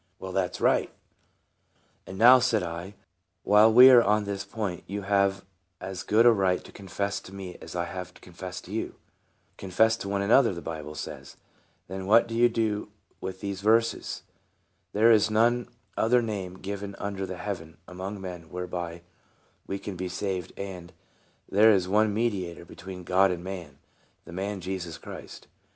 " Well, that 's right." IVORD OF TESTIMONY. c 9 "And now," said I, "while we are on this point, you have as good a right to confess to me as I have to confess to you. * Confess to one another,' the Bible says. Then what do you do with these verses :' There is none other name given under heaven among men whereby we can be saved,' and, ' There is one mediator between God and man, the man Christ Jesus' ?